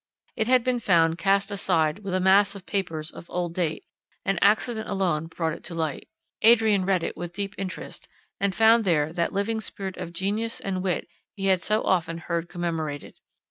It had been found cast aside with a mass of papers of old date, and accident alone brought it to light. Adrian read it with deep interest; and found there that living spirit of genius and wit he had so often heard commemorated.